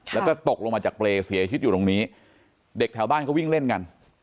แล้วก็ตกลงมาจากเปรย์เสียชีวิตอยู่ตรงนี้เด็กแถวบ้านก็วิ่งเล่นกัน